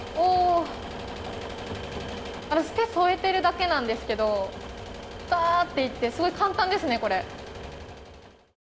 私、手を添えているだけなんですけどだーって行ってすごい簡単ですね、これ。